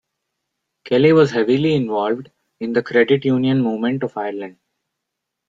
Kelly was heavily involved in the credit union movement of Ireland.